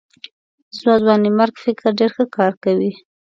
زما ځوانمېرګ فکر ډېر ښه کار کوي.